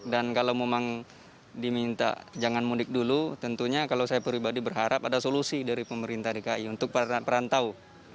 dan kalau memang diminta jangan mudik dulu tentunya kalau saya pribadi berharap ada solusi dari pemerintah dki untuk perantau